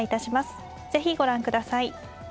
是非ご覧下さい。